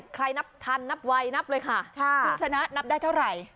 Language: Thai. นับทันนับไวนับเลยค่ะคุณชนะนับได้เท่าไหร่